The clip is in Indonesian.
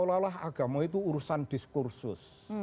agama itu urusan diskursus